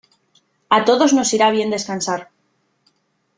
A todos nos irá bien descansar.